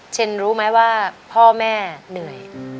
รู้ไหมว่าพ่อแม่เหนื่อย